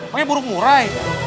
makanya burung murai